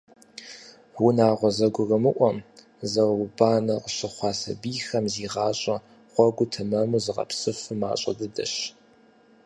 Унагъуэ зэгурымыӏуэм, зауэбанэм къыщыхъуа сабийхэм зи гъащӀэ гъуэгур тэмэму зыгъэпсыфыр мащӏэ дыдэщ.